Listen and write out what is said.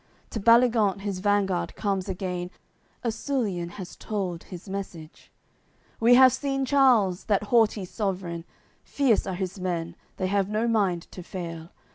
To Baligant his vanguard comes again A Sulian hath told him his message: "We have seen Charles, that haughty sovereign; Fierce are his men, they have no mind to fail.